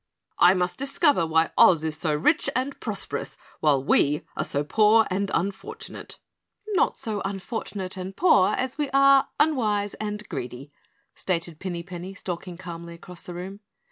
"I must discover why Oz is so rich and prosperous while we are so poor and unfortunate." "Not so unfortunate and poor as we are unwise and greedy," stated Pinny Penny, stalking calmly across the room.